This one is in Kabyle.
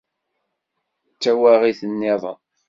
D tawaɣit-nniḍen.